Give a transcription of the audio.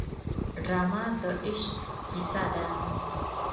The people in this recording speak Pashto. ډرامه د عشق کیسه ده